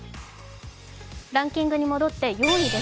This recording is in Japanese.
ランキングに戻って４位です。